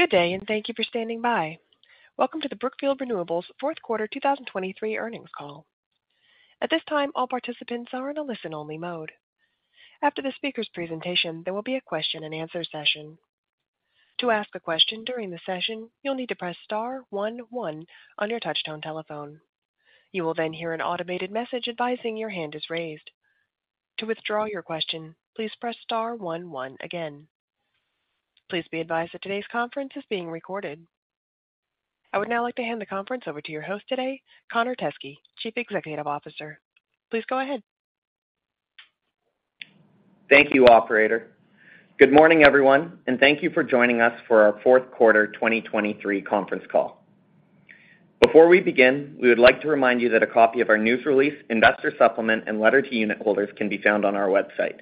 Good day, and thank you for standing by. Welcome to the Brookfield Renewables Fourth Quarter 2023 earnings call. At this time, all participants are in a listen-only mode. After the speaker's presentation, there will be a Q&A session. To ask a question during the session, you'll need to press star one one on your touchtone telephone. You will then hear an automated message advising your hand is raised. To withdraw your question, please press star one one again. Please be advised that today's conference is being recorded. I would now like to hand the conference over to your host today, Connor Teskey, Chief Executive Officer. Please go ahead. Thank you, operator. Good morning, everyone, and thank you for joining us for our fourth quarter 2023 conference call. Before we begin, we would like to remind you that a copy of our news release, investor supplement, and letter to unit holders can be found on our website.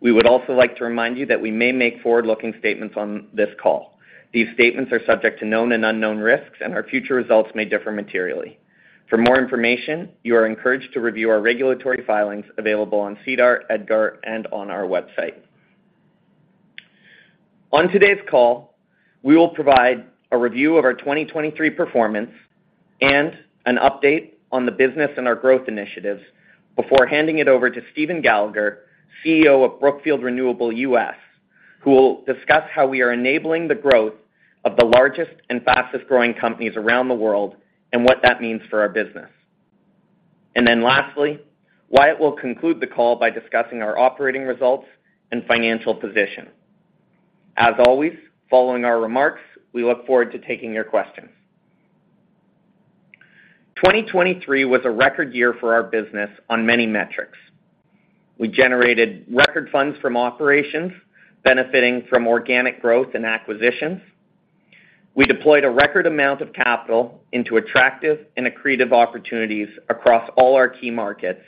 We would also like to remind you that we may make forward-looking statements on this call. These statements are subject to known and unknown risks, and our future results may differ materially. For more information, you are encouraged to review our regulatory filings available on SEDAR, EDGAR, and on our website. On today's call, we will provide a review of our 2023 performance and an update on the business and our growth initiatives before handing it over to Stephen Gallagher, CEO of Brookfield Renewable U.S., who will discuss how we are enabling the growth of the largest and fastest-growing companies around the world and what that means for our business. And then lastly, Wyatt will conclude the call by discussing our operating results and financial position. As always, following our remarks, we look forward to taking your questions. 2023 was a record year for our business on many metrics. We generated record funds from operations, benefiting from organic growth and acquisitions. We deployed a record amount of capital into attractive and accretive opportunities across all our key markets,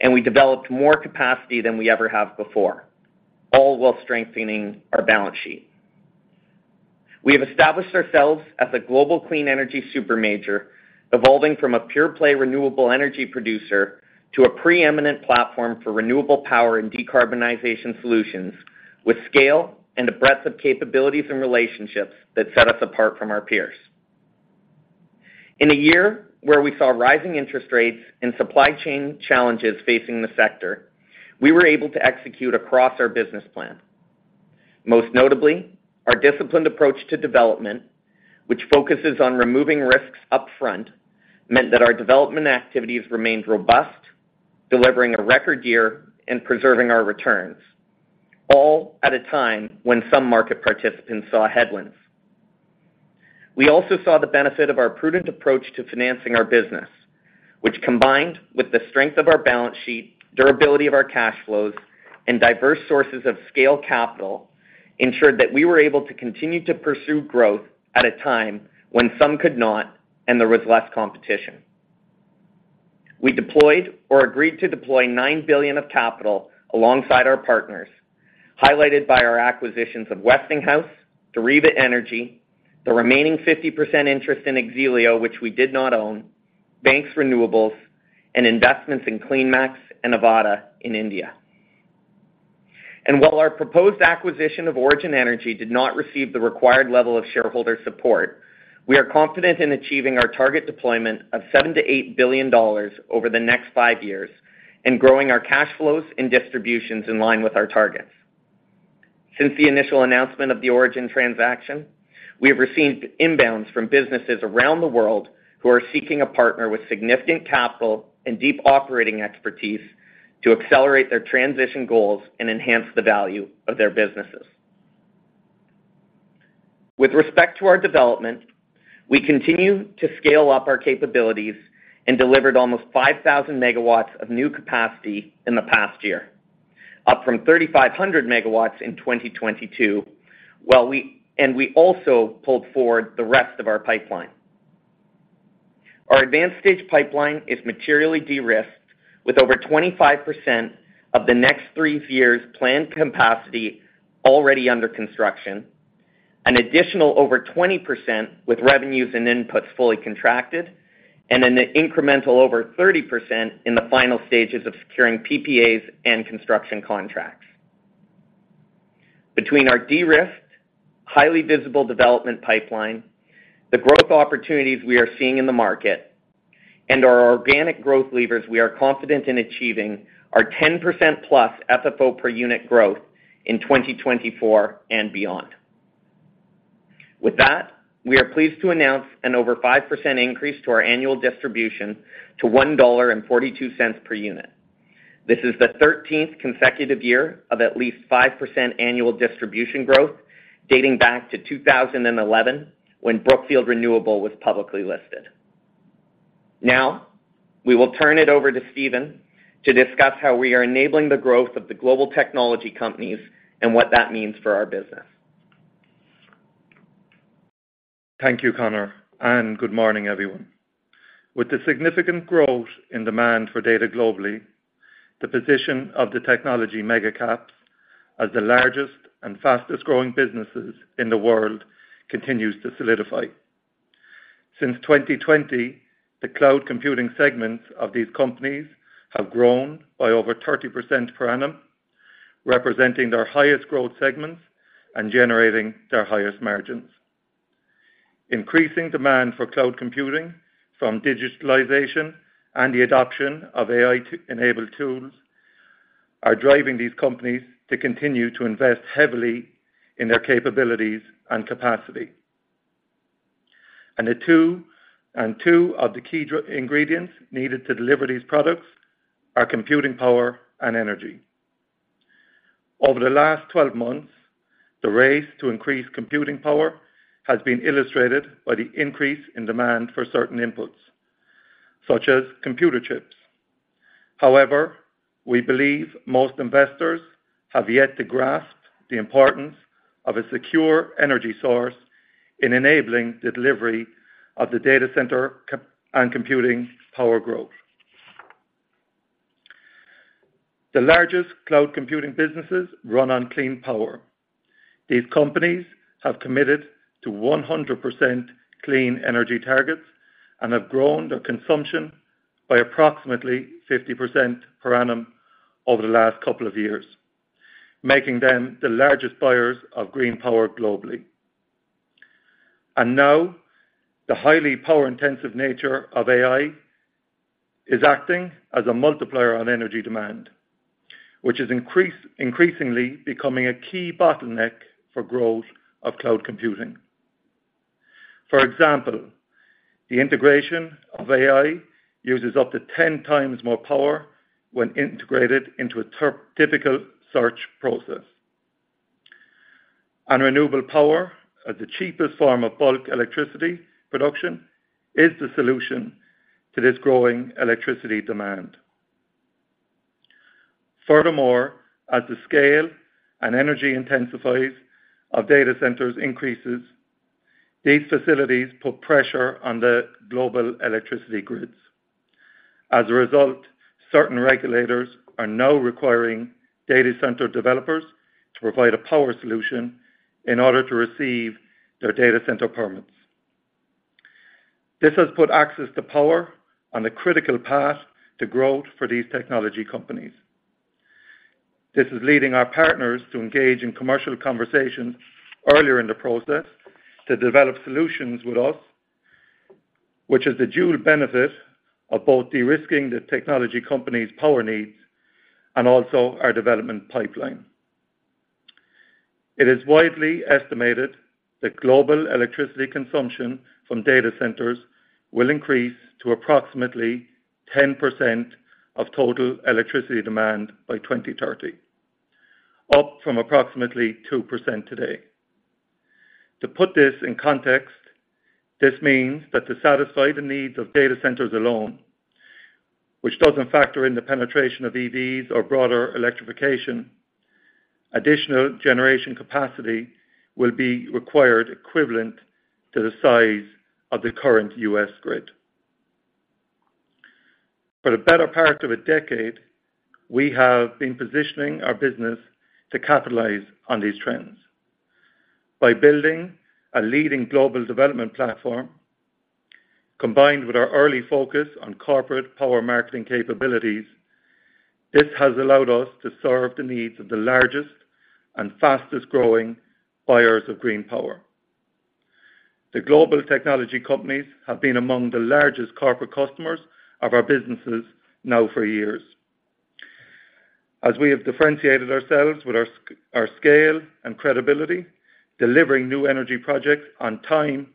and we developed more capacity than we ever have before, all while strengthening our balance sheet. We have established ourselves as a global clean energy super major, evolving from a pure-play renewable energy producer to a preeminent platform for renewable power and decarbonization solutions, with scale and a breadth of capabilities and relationships that set us apart from our peers. In a year where we saw rising interest rates and supply chain challenges facing the sector, we were able to execute across our business plan. Most notably, our disciplined approach to development, which focuses on removing risks upfront, meant that our development activities remained robust, delivering a record year and preserving our returns, all at a time when some market participants saw headwinds. We also saw the benefit of our prudent approach to financing our business, which, combined with the strength of our balance sheet, durability of our cash flows, and diverse sources of scale capital, ensured that we were able to continue to pursue growth at a time when some could not and there was less competition. We deployed or agreed to deploy $9 billion of capital alongside our partners, highlighted by our acquisitions of Westinghouse, Deriva Energy, the remaining 50% interest in X-Elio, which we did not own, Banks Renewables, and investments in CleanMax and Avaada in India. And while our proposed acquisition of Origin Energy did not receive the required level of shareholder support, we are confident in achieving our target deployment of $7 billion-$8 billion over the next five years and growing our cash flows and distributions in line with our targets. Since the initial announcement of the Origin transaction, we have received inbounds from businesses around the world who are seeking a partner with significant capital and deep operating expertise to accelerate their transition goals and enhance the value of their businesses. With respect to our development, we continue to scale up our capabilities and delivered almost 5,000 MW of new capacity in the past year, up from 3,500 MW in 2022, while we also pulled forward the rest of our pipeline. Our advanced stage pipeline is materially de-risked, with over 25% of the next three years' planned capacity already under construction, an additional over 20% with revenues and inputs fully contracted, and an incremental over 30% in the final stages of securing PPAs and construction contracts. Between our de-risked, highly visible development pipeline, the growth opportunities we are seeing in the market, and our organic growth levers, we are confident in achieving our 10%+ FFO per unit growth in 2024 and beyond. With that, we are pleased to announce an over 5% increase to our annual distribution to $1.42 per unit. This is the thirteenth consecutive year of at least 5% annual distribution growth, dating back to 2011, when Brookfield Renewable was publicly listed. Now, we will turn it over to Stephen to discuss how we are enabling the growth of the global technology companies and what that means for our business. Thank you, Connor, and good morning, everyone. With the significant growth in demand for data globally, the position of the technology mega caps as the largest and fastest-growing businesses in the world continues to solidify. Since 2020, the cloud computing segments of these companies have grown by over 30% per annum, representing their highest growth segments and generating their highest margins. Increasing demand for cloud computing from digitalization and the adoption of AI-enabled tools are driving these companies to continue to invest heavily in their capabilities and capacity. The two key drivers and ingredients needed to deliver these products are computing power and energy. Over the last 12 months, the race to increase computing power has been illustrated by the increase in demand for certain inputs, such as computer chips. However, we believe most investors have yet to grasp the importance of a secure energy source in enabling the delivery of the data center and computing power growth. The largest cloud computing businesses run on clean power. These companies have committed to 100% clean energy targets and have grown their consumption by approximately 50% per annum over the last couple of years, making them the largest buyers of green power globally. And now, the highly power-intensive nature of AI is acting as a multiplier on energy demand, which is increasingly becoming a key bottleneck for growth of cloud computing. For example, the integration of AI uses up to 10 times more power when integrated into a typical search process. And renewable power, as the cheapest form of bulk electricity production, is the solution to this growing electricity demand. Furthermore, as the scale and energy intensity of data centers increases, these facilities put pressure on the global electricity grids. As a result, certain regulators are now requiring data center developers to provide a power solution in order to receive their data center permits. This has put access to power on a critical path to growth for these technology companies. This is leading our partners to engage in commercial conversations earlier in the process, to develop solutions with us, which is the dual benefit of both de-risking the technology company's power needs and also our development pipeline. It is widely estimated that global electricity consumption from data centers will increase to approximately 10% of total electricity demand by 2030, up from approximately 2% today. To put this in context, this means that to satisfy the needs of data centers alone, which doesn't factor in the penetration of EVs or broader electrification, additional generation capacity will be required equivalent to the size of the current U.S. grid. For the better part of a decade, we have been positioning our business to capitalize on these trends. By building a leading global development platform, combined with our early focus on corporate power marketing capabilities, this has allowed us to serve the needs of the largest and fastest-growing buyers of green power. The global technology companies have been among the largest corporate customers of our businesses now for years, as we have differentiated ourselves with our scale and credibility, delivering new energy projects on time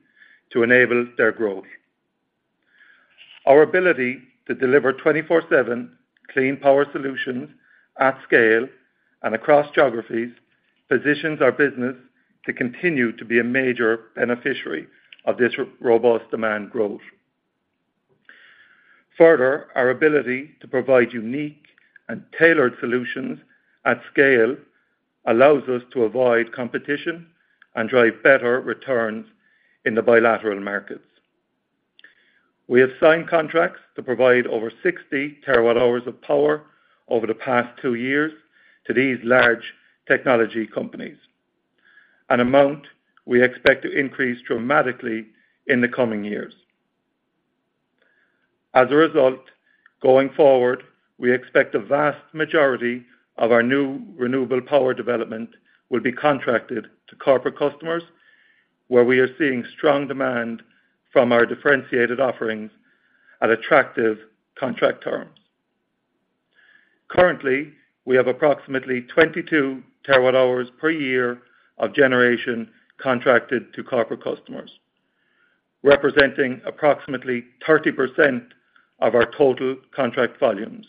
to enable their growth. Our ability to deliver 24/7 clean power solutions at scale and across geographies, positions our business to continue to be a major beneficiary of this robust demand growth. Further, our ability to provide unique and tailored solutions at scale allows us to avoid competition and drive better returns in the bilateral markets. We have signed contracts to provide over 60 TWh of power over the past 2 years to these large technology companies, an amount we expect to increase dramatically in the coming years. As a result, going forward, we expect the vast majority of our new renewable power development will be contracted to corporate customers, where we are seeing strong demand from our differentiated offerings at attractive contract terms. Currently, we have approximately 22 TWh per year of generation contracted to corporate customers, representing approximately 30% of our total contract volumes,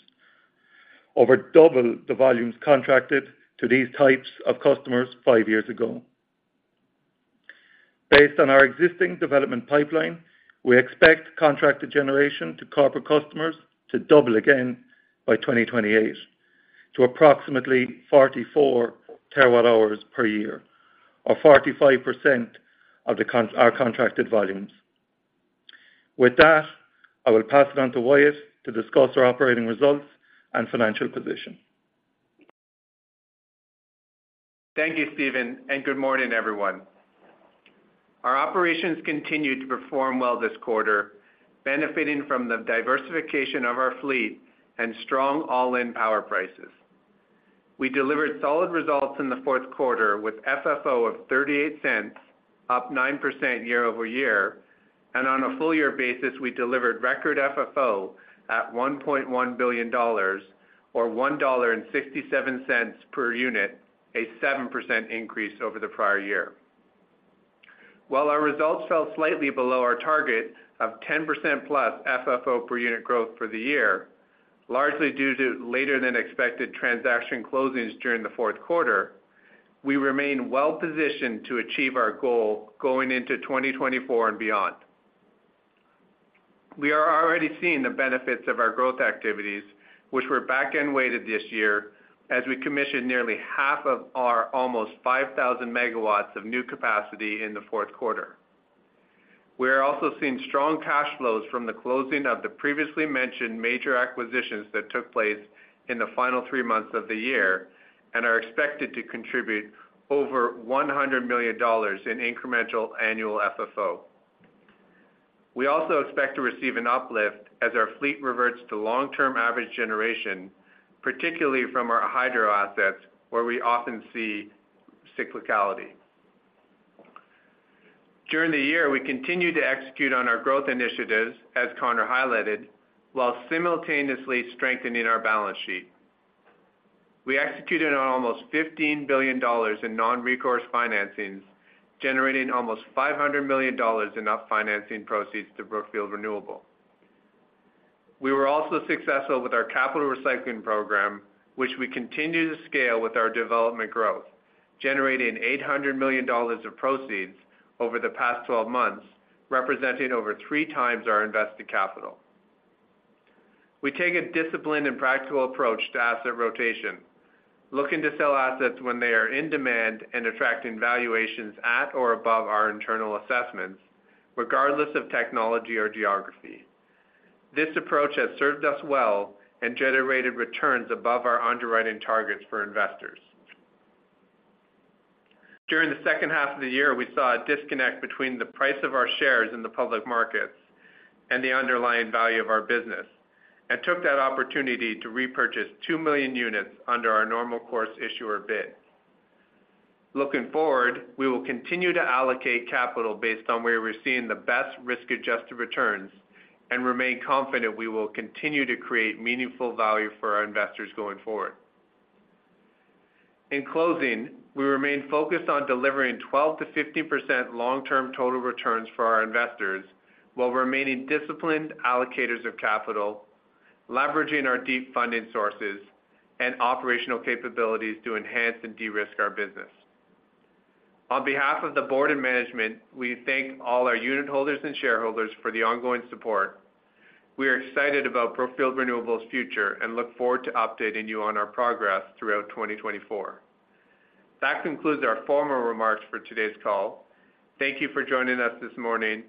over double the volumes contracted to these types of customers five years ago. Based on our existing development pipeline, we expect contracted generation to corporate customers to double again by 2028, to approximately 44 TWh per year, or 45% of our contracted volumes. With that, I will pass it on to Wyatt to discuss our operating results and financial position. Thank you, Stephen, and good morning, everyone. Our operations continued to perform well this quarter, benefiting from the diversification of our fleet and strong all-in power prices. We delivered solid results in the fourth quarter, with FFO of $0.38, up 9% year-over-year, and on a full year basis, we delivered record FFO at $1.1 billion, or $1.67 per unit, a 7% increase over the prior year. While our results fell slightly below our target of 10%+ FFO per unit growth for the year, largely due to later than expected transaction closings during the fourth quarter, we remain well-positioned to achieve our goal going into 2024 and beyond. We are already seeing the benefits of our growth activities, which were back-end weighted this year, as we commissioned nearly half of our almost 5,000 megawatts of new capacity in the fourth quarter. We are also seeing strong cash flows from the closing of the previously mentioned major acquisitions that took place in the final three months of the year, and are expected to contribute over $100 million in incremental annual FFO. We also expect to receive an uplift as our fleet reverts to long-term average generation, particularly from our hydro assets, where we often see cyclicality. During the year, we continued to execute on our growth initiatives, as Connor highlighted, while simultaneously strengthening our balance sheet. We executed on almost $15 billion in non-recourse financings, generating almost $500 million in up-financing proceeds to Brookfield Renewable. We were also successful with our capital recycling program, which we continue to scale with our development growth, generating $800 million of proceeds over the past 12 months, representing over 3 times our invested capital. We take a disciplined and practical approach to asset rotation, looking to sell assets when they are in demand and attracting valuations at or above our internal assessments, regardless of technology or geography. This approach has served us well and generated returns above our underwriting targets for investors. During the second half of the year, we saw a disconnect between the price of our shares in the public markets and the underlying value of our business, and took that opportunity to repurchase 2 million units under our Normal Course Issuer Bid. Looking forward, we will continue to allocate capital based on where we're seeing the best risk-adjusted returns and remain confident we will continue to create meaningful value for our investors going forward. In closing, we remain focused on delivering 12%-15% long-term total returns for our investors, while remaining disciplined allocators of capital, leveraging our deep funding sources and operational capabilities to enhance and de-risk our business. On behalf of the board and management, we thank all our unitholders and shareholders for the ongoing support. We are excited about Brookfield Renewable's future and look forward to updating you on our progress throughout 2024. That concludes our formal remarks for today's call. Thank you for joining us this morning.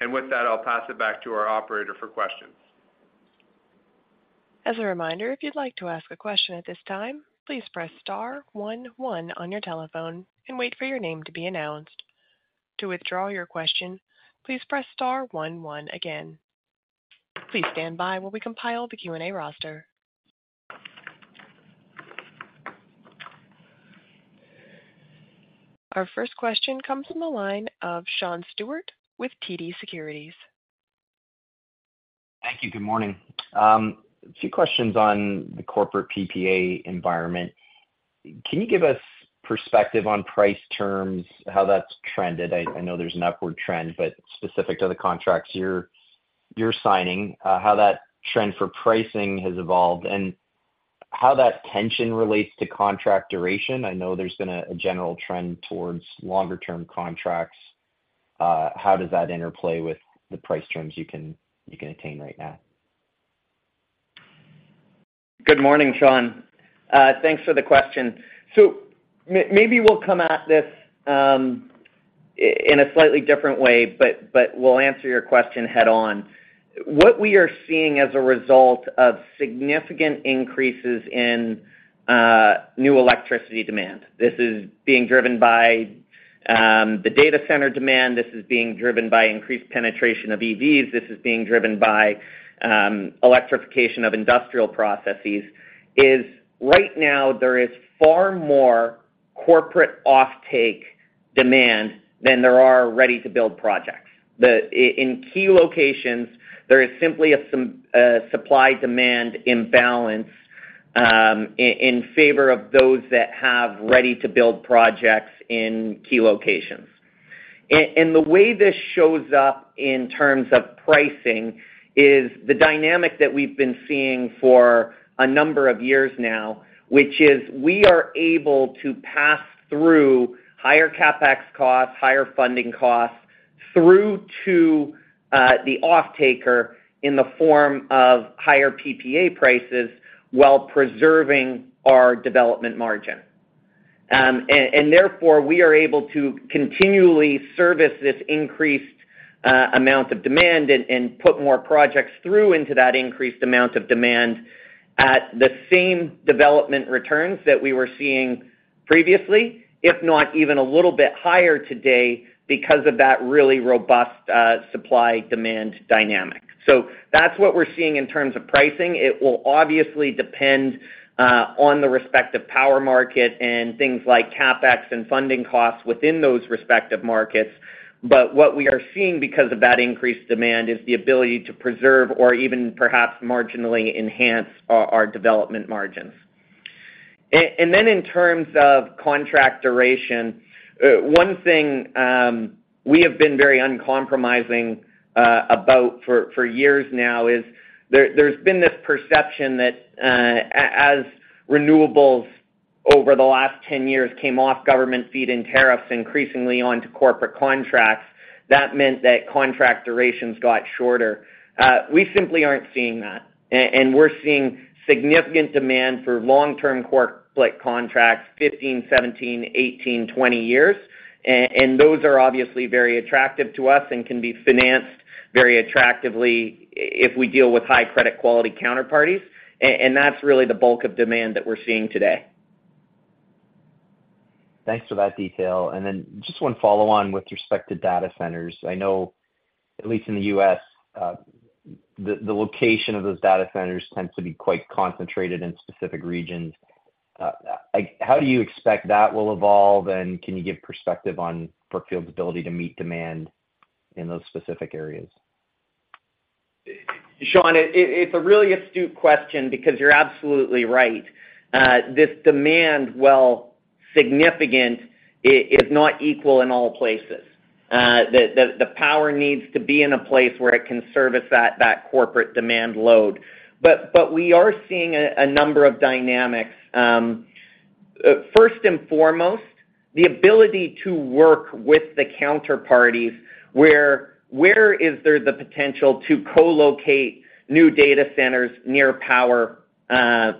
With that, I'll pass it back to our operator for questions. As a reminder, if you'd like to ask a question at this time, please press star one one on your telephone and wait for your name to be announced. To withdraw your question, please press star one one again. Please stand by while we compile the Q&A roster. Our first question comes from the line of Sean Steuart with TD Securities. Thank you. Good morning. A few questions on the corporate PPA environment. Can you give us perspective on price terms, how that's trended? I know there's an upward trend, but specific to the contracts you're signing, how that trend for pricing has evolved and how that tension relates to contract duration. I know there's been a general trend towards longer-term contracts. How does that interplay with the price terms you can attain right now? Good morning, Sean. Thanks for the question. So maybe we'll come at this in a slightly different way, but we'll answer your question head-on. What we are seeing as a result of significant increases in new electricity demand, this is being driven by the data center demand. This is being driven by increased penetration of EVs. This is being driven by electrification of industrial processes, is right now there is far more corporate offtake demand than there are ready-to-build projects. In key locations, there is simply a supply-demand imbalance in favor of those that have ready-to-build projects in key locations. And the way this shows up in terms of pricing is the dynamic that we've been seeing for a number of years now, which is we are able to pass through higher CapEx costs, higher funding costs, through to the offtaker in the form of higher PPA prices, while preserving our development margin. And therefore, we are able to continually service this increased amount of demand and put more projects through into that increased amount of demand at the same development returns that we were seeing previously, if not even a little bit higher today because of that really robust supply-demand dynamic. So that's what we're seeing in terms of pricing. It will obviously depend on the respective power market and things like CapEx and funding costs within those respective markets. But what we are seeing because of that increased demand is the ability to preserve or even perhaps marginally enhance our development margins. And then in terms of contract duration, one thing we have been very uncompromising about for years now is there's been this perception that, as renewables over the last 10 years came off government feed-in tariffs increasingly onto corporate contracts, that meant that contract durations got shorter. We simply aren't seeing that. And we're seeing significant demand for long-term corporate contracts, 15, 17, 18, 20 years. And those are obviously very attractive to us and can be financed very attractively if we deal with high credit quality counterparties. And that's really the bulk of demand that we're seeing today. Thanks for that detail. And then just one follow-on with respect to data centers. I know, at least in the U.S., the location of those data centers tends to be quite concentrated in specific regions. Like, how do you expect that will evolve? And can you give perspective on Brookfield's ability to meet demand in those specific areas? Sean, it's a really astute question because you're absolutely right. This demand, while significant, is not equal in all places. The power needs to be in a place where it can service that corporate demand load. But we are seeing a number of dynamics. First and foremost, the ability to work with the counterparties, where is there the potential to co-locate new data centers near power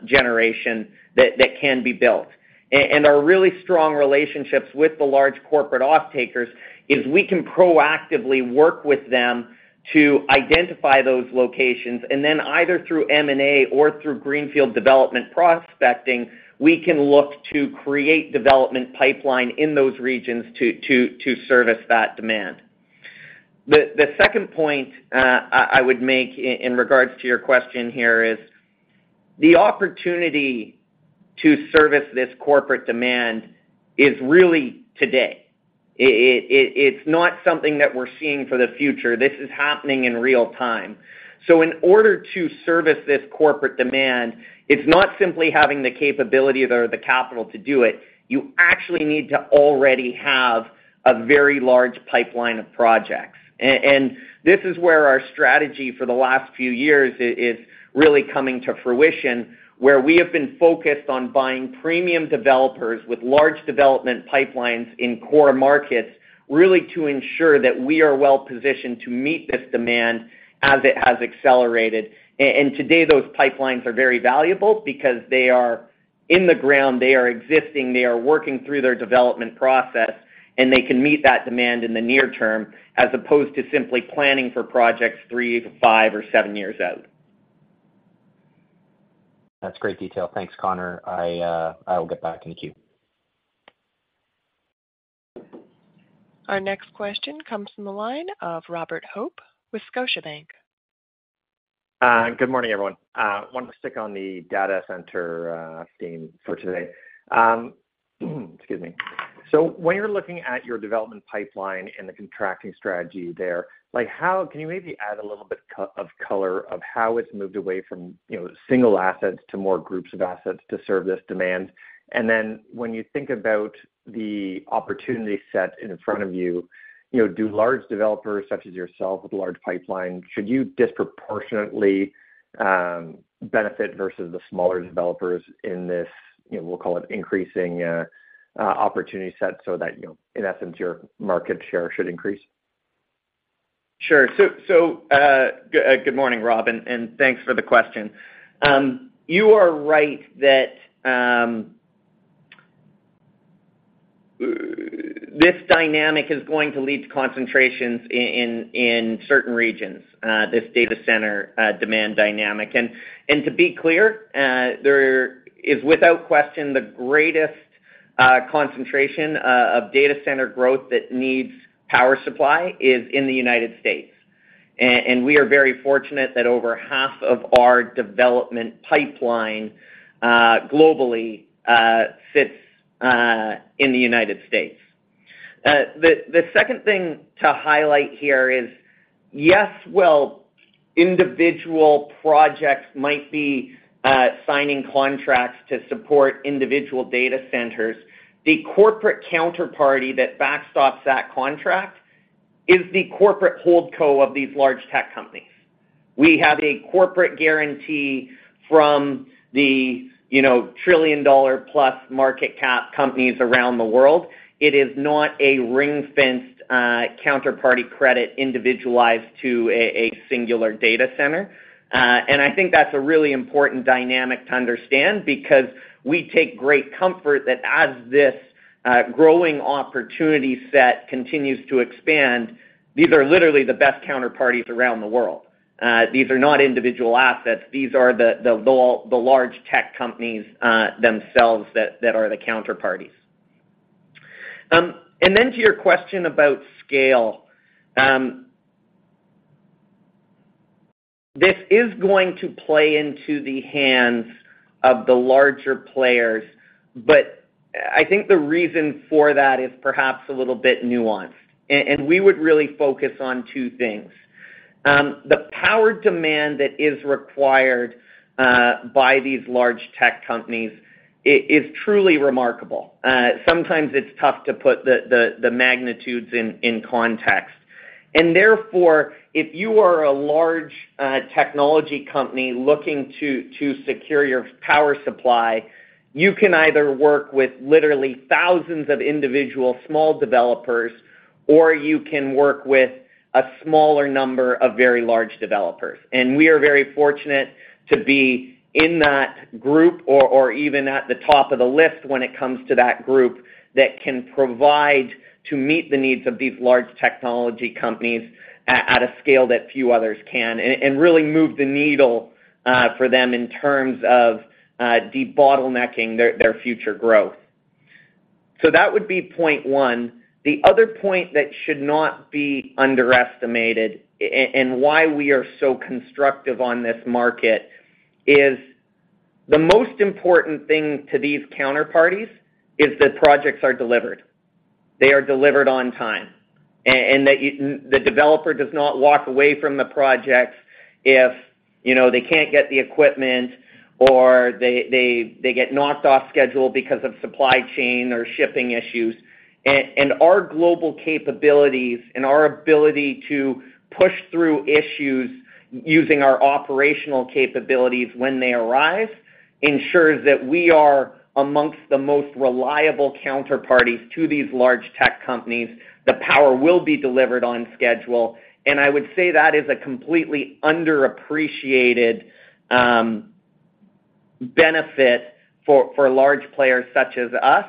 generation that can be built? And our really strong relationships with the large corporate off-takers is we can proactively work with them to identify those locations, and then either through M&A or through greenfield development prospecting, we can look to create development pipeline in those regions to service that demand. The second point I would make in regards to your question here is, the opportunity to service this corporate demand is really today. It, it's not something that we're seeing for the future. This is happening in real time. So in order to service this corporate demand, it's not simply having the capability or the capital to do it, you actually need to already have a very large pipeline of projects. And this is where our strategy for the last few years is really coming to fruition, where we have been focused on buying premium developers with large development pipelines in core markets, really to ensure that we are well-positioned to meet this demand as it has accelerated. And today, those pipelines are very valuable because they are in the ground, they are existing, they are working through their development process, and they can meet that demand in the near term, as opposed to simply planning for projects 3, 5, or 7 years out. That's great detail. Thanks, Connor. I, I will get back in the queue. Our next question comes from the line of Robert Hope with Scotiabank. Good morning, everyone. Wanted to stick on the data center theme for today. So when you're looking at your development pipeline and the contracting strategy there, like, how can you maybe add a little bit of color of how it's moved away from, you know, single assets to more groups of assets to serve this demand? And then when you think about the opportunity set in front of you, you know, do large developers, such as yourself, with a large pipeline, should you disproportionately benefit versus the smaller developers in this, you know, we'll call it increasing opportunity set so that, you know, in essence, your market share should increase? Sure. Good morning, Rob, and thanks for the question. You are right that this dynamic is going to lead to concentrations in certain regions this data center demand dynamic. To be clear, there is, without question, the greatest concentration of data center growth that needs power supply is in the United States. And we are very fortunate that over half of our development pipeline globally sits in the United States. The second thing to highlight here is, yes, while individual projects might be signing contracts to support individual data centers, the corporate counterparty that backstops that contract is the corporate holdco of these large tech companies. We have a corporate guarantee from the, you know, trillion-dollar-plus market cap companies around the world. It is not a ring-fenced counterparty credit individualized to a singular data center. And I think that's a really important dynamic to understand because we take great comfort that as this growing opportunity set continues to expand, these are literally the best counterparties around the world. These are not individual assets; these are the large tech companies themselves that are the counterparties. And then to your question about scale, this is going to play into the hands of the larger players, but I think the reason for that is perhaps a little bit nuanced, and we would really focus on two things. The power demand that is required by these large tech companies is truly remarkable. Sometimes it's tough to put the magnitudes in context. And therefore, if you are a large technology company looking to secure your power supply, you can either work with literally thousands of individual small developers, or you can work with a smaller number of very large developers. And we are very fortunate to be in that group, or even at the top of the list when it comes to that group that can provide to meet the needs of these large technology companies at a scale that few others can, and really move the needle for them in terms of debottlenecking their future growth. So that would be point one. The other point that should not be underestimated and why we are so constructive on this market is the most important thing to these counterparties is that projects are delivered. They are delivered on time, and that the developer does not walk away from the projects if, you know, they can't get the equipment or they get knocked off schedule because of supply chain or shipping issues. And our global capabilities and our ability to push through issues using our operational capabilities when they arise, ensures that we are amongst the most reliable counterparties to these large tech companies. The power will be delivered on schedule, and I would say that is a completely underappreciated benefit for large players such as us,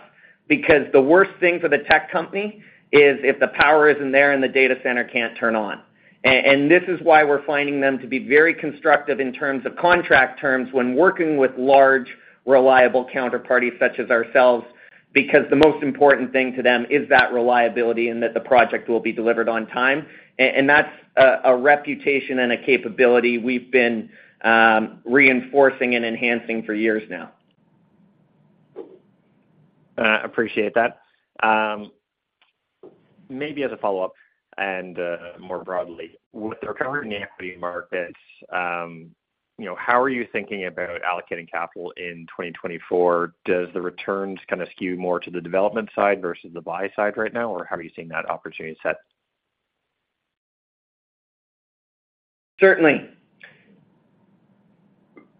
because the worst thing for the tech company is if the power isn't there and the data center can't turn on. and this is why we're finding them to be very constructive in terms of contract terms when working with large, reliable counterparties such as ourselves, because the most important thing to them is that reliability and that the project will be delivered on time. and that's a reputation and a capability we've been reinforcing and enhancing for years now. Appreciate that. Maybe as a follow-up and, more broadly, with the recovery in the equity markets, you know, how are you thinking about allocating capital in 2024? Does the returns kind of skew more to the development side versus the buy side right now, or how are you seeing that opportunity set? Certainly.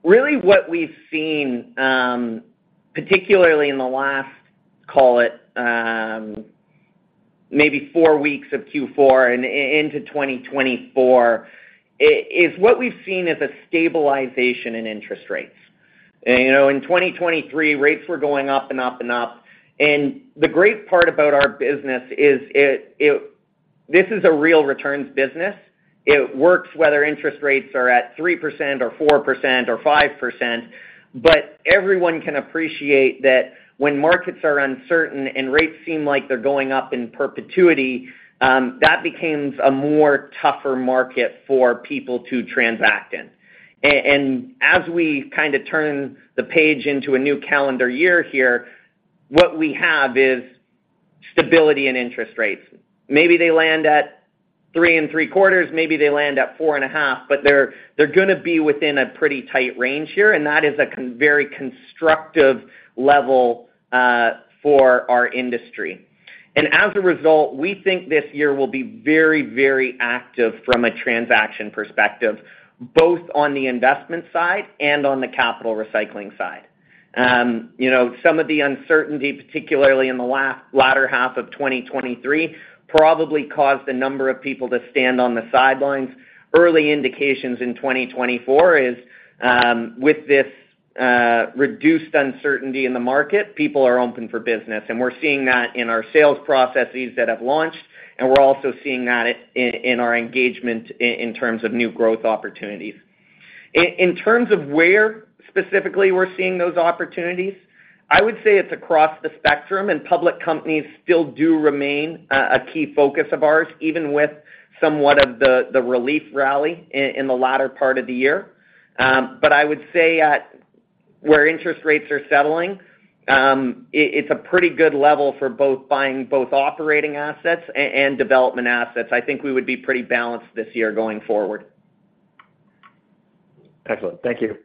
Really what we've seen, particularly in the last, call it, maybe 4 weeks of Q4 and into 2024, is a stabilization in interest rates. You know, in 2023, rates were going up and up and up. The great part about our business is this is a real returns business. It works whether interest rates are at 3% or 4% or 5%. But everyone can appreciate that when markets are uncertain and rates seem like they're going up in perpetuity, that becomes a more tougher market for people to transact in. And as we kind of turn the page into a new calendar year here, what we have is stability in interest rates. Maybe they land at 3.75, maybe they land at 4.5, but they're gonna be within a pretty tight range here, and that is a very constructive level for our industry. And as a result, we think this year will be very, very active from a transaction perspective, both on the investment side and on the capital recycling side. You know, some of the uncertainty, particularly in the latter half of 2023, probably caused a number of people to stand on the sidelines. Early indications in 2024 is, with this reduced uncertainty in the market, people are open for business, and we're seeing that in our sales processes that have launched, and we're also seeing that in our engagement in terms of new growth opportunities. In terms of where specifically we're seeing those opportunities, I would say it's across the spectrum, and public companies still do remain a key focus of ours, even with somewhat of the relief rally in the latter part of the year. But I would say at where interest rates are settling, it's a pretty good level for both buying both operating assets and development assets. I think we would be pretty balanced this year going forward. Excellent. Thank you.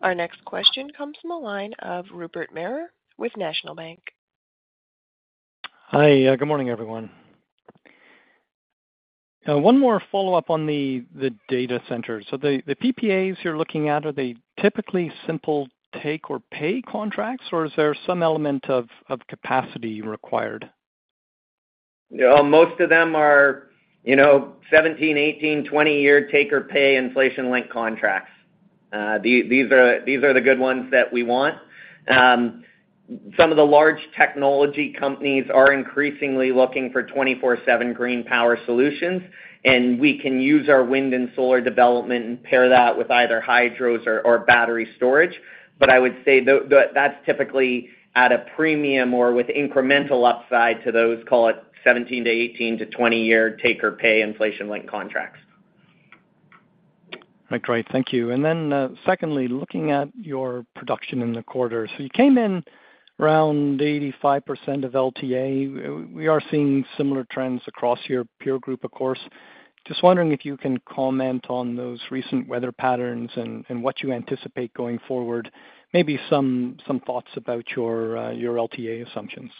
Our next question comes from the line of Rupert Merer with National Bank. Hi, good morning, everyone. One more follow-up on the data center. So the PPAs you're looking at, are they typically simple take or pay contracts, or is there some element of capacity required? You know, most of them are, you know, 17-, 18-, 20-year take-or-pay inflation-linked contracts. These are, these are the good ones that we want. Some of the large technology companies are increasingly looking for 24/7 green power solutions, and we can use our wind and solar development and pair that with either hydros or, or battery storage. But I would say that's typically at a premium or with incremental upside to those, call it 17- to 18- to 20-year take-or-pay inflation-linked contracts. Right. Great, thank you. And then, secondly, looking at your production in the quarter. So you came in around 85% of LTA. We are seeing similar trends across your peer group, of course. Just wondering if you can comment on those recent weather patterns and, and what you anticipate going forward, maybe some, some thoughts about your, your LTA assumptions.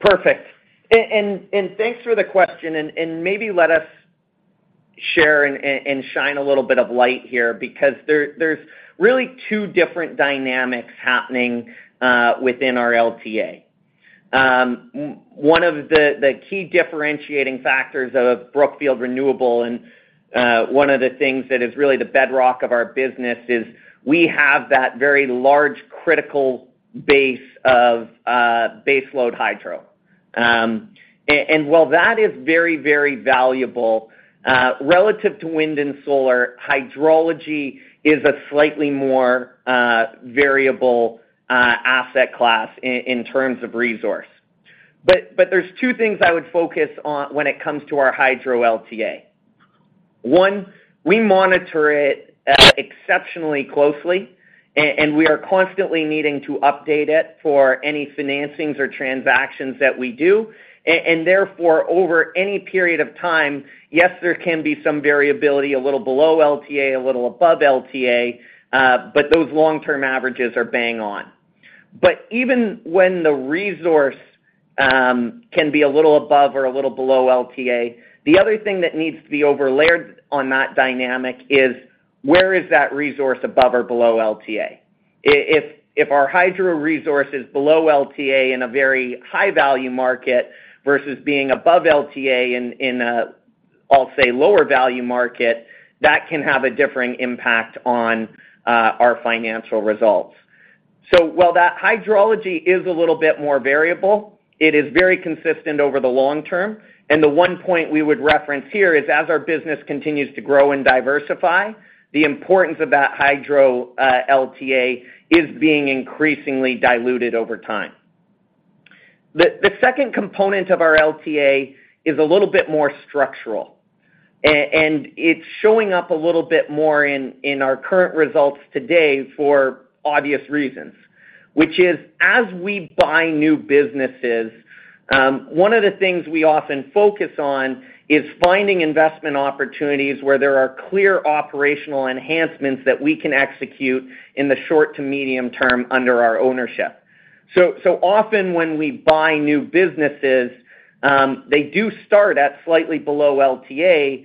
Perfect. And thanks for the question, and maybe let us share and shine a little bit of light here because there's really two different dynamics happening within our LTA. One of the key differentiating factors of Brookfield Renewable, and one of the things that is really the bedrock of our business is we have that very large critical base of baseload hydro. And while that is very, very valuable relative to wind and solar, hydrology is a slightly more variable asset class in terms of resource. But there's two things I would focus on when it comes to our hydro LTA. One, we monitor it exceptionally closely, and we are constantly needing to update it for any financings or transactions that we do. And therefore, over any period of time, yes, there can be some variability, a little below LTA, a little above LTA, but those long-term averages are bang on. But even when the resource can be a little above or a little below LTA, the other thing that needs to be overlaid on that dynamic is, where is that resource above or below LTA? If our hydro resource is below LTA in a very high-value market versus being above LTA in a, I'll say, lower-value market, that can have a differing impact on our financial results. So while that hydrology is a little bit more variable, it is very consistent over the long term. And the one point we would reference here is, as our business continues to grow and diversify, the importance of that hydro LTA is being increasingly diluted over time. The second component of our LTA is a little bit more structural, and it's showing up a little bit more in our current results today for obvious reasons, which is, as we buy new businesses, one of the things we often focus on is finding investment opportunities where there are clear operational enhancements that we can execute in the short to medium term under our ownership. So often when we buy new businesses, they do start at slightly below LTA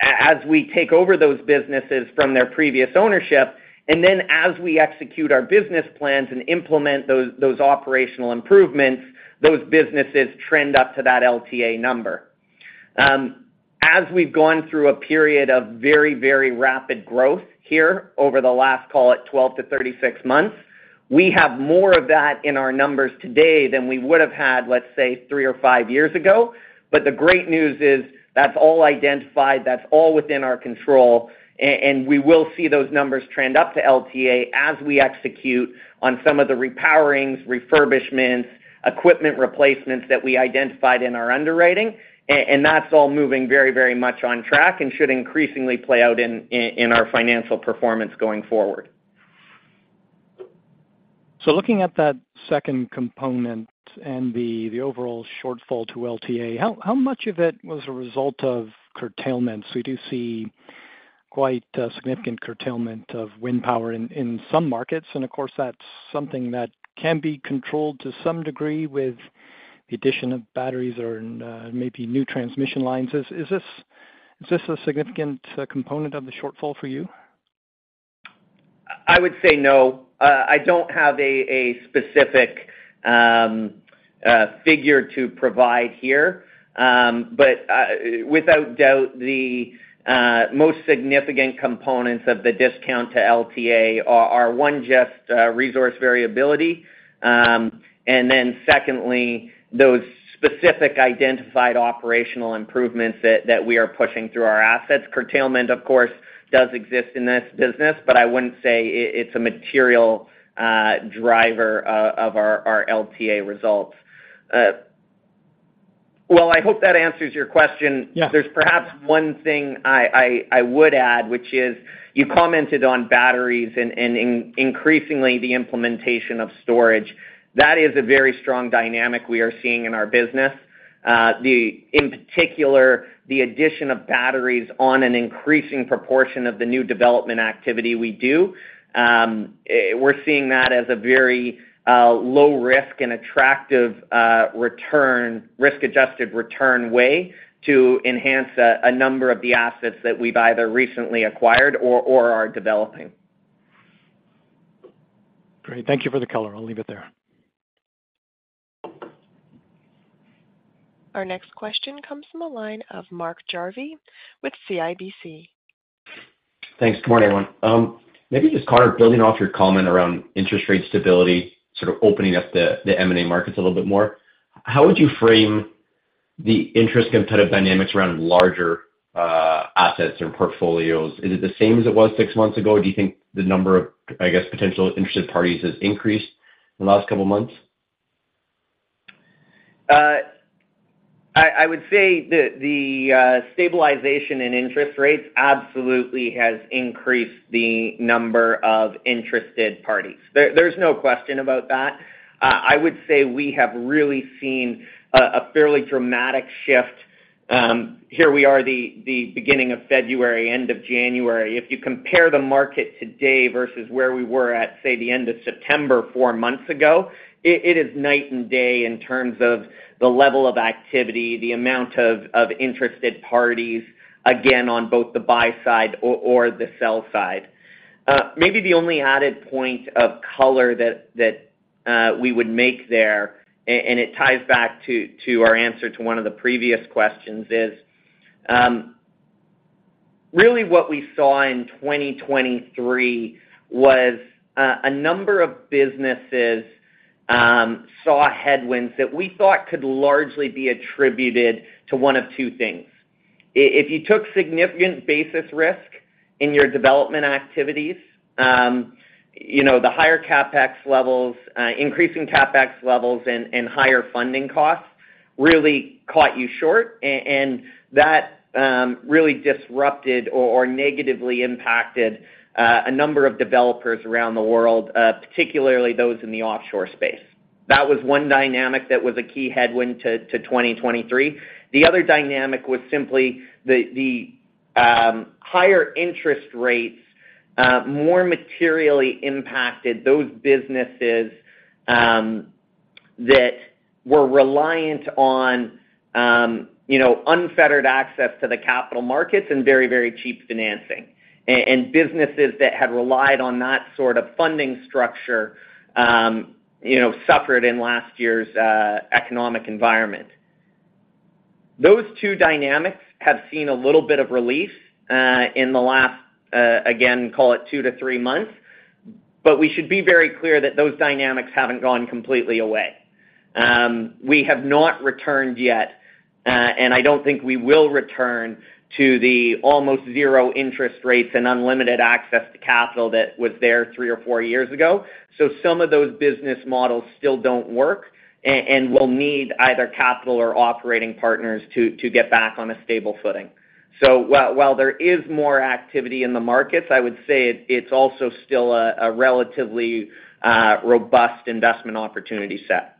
as we take over those businesses from their previous ownership, and then as we execute our business plans and implement those operational improvements, those businesses trend up to that LTA number. As we've gone through a period of very, very rapid growth here over the last, call it, 12-36 months, we have more of that in our numbers today than we would have had, let's say, 3 or 5 years ago. But the great news is that's all identified, that's all within our control, and we will see those numbers trend up to LTA as we execute on some of the repowerings, refurbishments, equipment replacements that we identified in our underwriting. And that's all moving very, very much on track and should increasingly play out in our financial performance going forward. So looking at that second component and the overall shortfall to LTA, how much of it was a result of curtailments? We do see quite significant curtailment of wind power in some markets, and of course, that's something that can be controlled to some degree with the addition of batteries or and maybe new transmission lines. Is this a significant component of the shortfall for you? I would say no. I don't have a specific figure to provide here. But without doubt, the most significant components of the discount to LTA are one, just resource variability. And then secondly, those specific identified operational improvements that we are pushing through our assets. Curtailment, of course, does exist in this business, but I wouldn't say it's a material driver of our LTA results. Well, I hope that answers your question. Yeah. There's perhaps one thing I would add, which is, you commented on batteries and increasingly, the implementation of storage. That is a very strong dynamic we are seeing in our business. In particular, the addition of batteries on an increasing proportion of the new development activity we do. We're seeing that as a very low risk and attractive risk-adjusted return way to enhance a number of the assets that we've either recently acquired or are developing. Great. Thank you for the color. I'll leave it there. Our next question comes from the line of Mark Jarvi with CIBC. Thanks. Good morning, everyone. Maybe just, Connor, building off your comment around interest rate stability, sort of opening up the M&A markets a little bit more. How would you frame the interest competitive dynamics around larger assets or portfolios? Is it the same as it was six months ago, or do you think the number of, I guess, potential interested parties has increased in the last couple of months? I would say that the stabilization in interest rates absolutely has increased the number of interested parties. There's no question about that. I would say we have really seen a fairly dramatic shift. Here we are, the beginning of February, end of January. If you compare the market today versus where we were at, say, the end of September, four months ago, it is night and day in terms of the level of activity, the amount of interested parties, again, on both the buy side or the sell side. Maybe the only added point of color that we would make there, and it ties back to our answer to one of the previous questions, is really what we saw in 2023 was a number of businesses saw headwinds that we thought could largely be attributed to one of two things. If you took significant basis risk in your development activities, you know, the higher CapEx levels, increasing CapEx levels and higher funding costs really caught you short, and that really disrupted or negatively impacted a number of developers around the world, particularly those in the offshore space. That was one dynamic that was a key headwind to 2023. The other dynamic was simply the higher interest rates, more materially impacted those businesses that were reliant on, you know, unfettered access to the capital markets and very, very cheap financing. And businesses that had relied on that sort of funding structure, you know, suffered in last year's economic environment. Those two dynamics have seen a little bit of relief in the last, again, call it 2-3 months, but we should be very clear that those dynamics haven't gone completely away. We have not returned yet, and I don't think we will return to the almost zero interest rates and unlimited access to capital that was there three or four years ago. So some of those business models still don't work and will need either capital or operating partners to, to get back on a stable footing. So while there is more activity in the markets, I would say it's also still a, a relatively, robust investment opportunity set.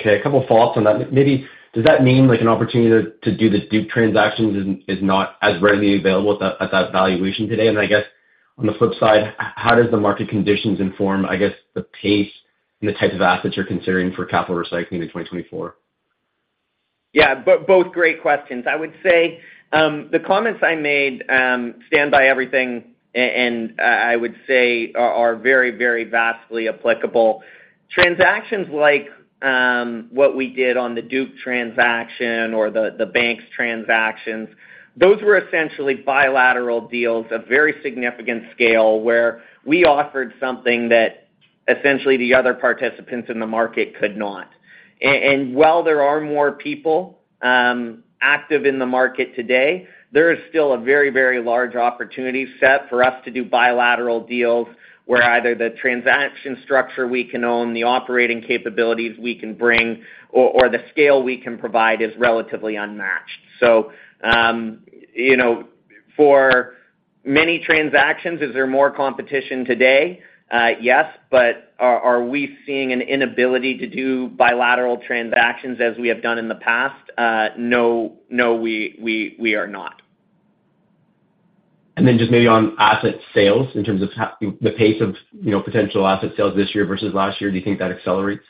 Okay, a couple of thoughts on that. Maybe does that mean, like, an opportunity to do the Duke transactions is not as readily available at that valuation today? And I guess on the flip side, how does the market conditions inform, I guess, the pace and the type of assets you're considering for capital recycling in 2024? Yeah, both great questions. I would say the comments I made stand by everything, and I would say are very, very vastly applicable. Transactions like what we did on the Duke transaction or the Banks transactions, those were essentially bilateral deals of very significant scale, where we offered something that essentially the other participants in the market could not. And while there are more people active in the market today, there is still a very, very large opportunity set for us to do bilateral deals, where either the transaction structure we can own, the operating capabilities we can bring, or the scale we can provide is relatively unmatched. So, you know, for many transactions, is there more competition today? Yes, but are we seeing an inability to do bilateral transactions as we have done in the past? No, we are not. And then just maybe on asset sales, in terms of how... the pace of, you know, potential asset sales this year versus last year, do you think that accelerates?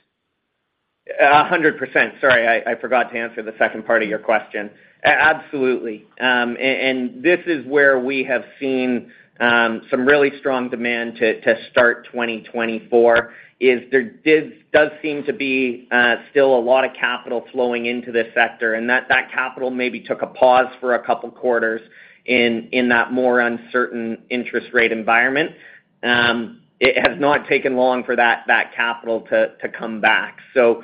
100%. Sorry, I forgot to answer the second part of your question. Absolutely. And this is where we have seen some really strong demand to start 2024. There does seem to be still a lot of capital flowing into this sector, and that capital maybe took a pause for a couple of quarters in that more uncertain interest rate environment. It has not taken long for that capital to come back. So,